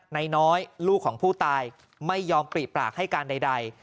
นายน้อยลูกของผู้ตายไม่ยอมปริปากให้การใด